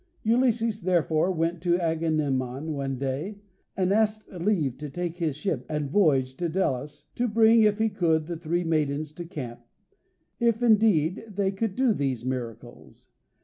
Ulysses therefore went to Agamemnon one day, and asked leave to take his ship and voyage to Delos, to bring, if he could, the three maidens to the camp, if indeed they could do these miracles.